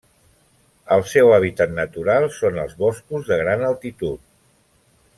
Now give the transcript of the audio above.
El seu hàbitat natural són els boscos de gran altitud.